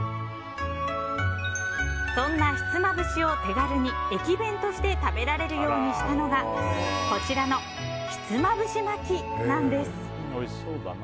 そんなひつまぶしを手軽に駅弁として食べられるようにしたのがこちらのひつまぶし巻きなんです。